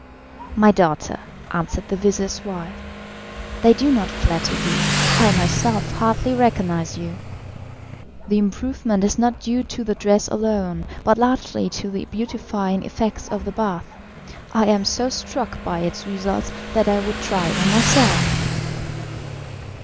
"My daughter," answered the vizir's wife, "they do not flatter you. I myself hardly recognised you. The improvement is not due to the dress alone, but largely to the beautifying effects of the bath. I am so struck by its results, that I would try it on myself."